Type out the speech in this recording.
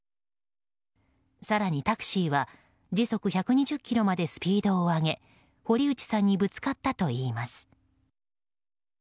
更にタクシーは時速１２０キロまでスピードを上げ堀内さんにぶつかったといいます。